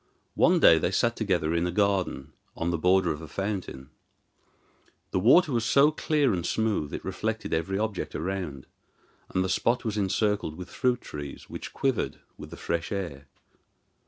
One day they sat together in a garden on the border of a fountain. The water was so clear and smooth it reflected every object around, and the spot was encircled with fruit trees which quivered with the fresh air.